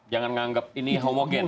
jangan menganggap ini homogen